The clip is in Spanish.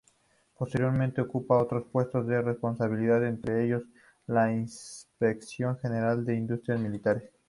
Posteriormente ocupa otros puestos de responsabilidad, entre ellos la Inspección General de Industrias Militares.